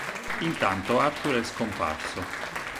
Intanto Arthur è scomparso.